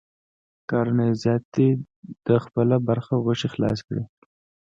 کارونه یې زیات دي، ده خپله برخه غوښې خلاصې کړې.